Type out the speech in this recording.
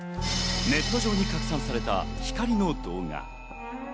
ネット上に拡散された光莉の動画。